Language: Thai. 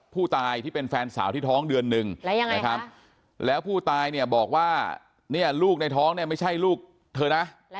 ผู้ตายที่เป็นแฟนสาวที่ท้องเดือนหนึ่งนะครับแล้วผู้ตายเนี่ยบอกว่าเนี่ยลูกในท้องเนี่ยไม่ใช่ลูกเธอนะ